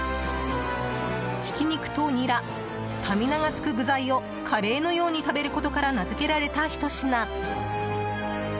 ひき肉とニラスタミナがつく具材をカレーのように食べることから名付けられた、ひと品。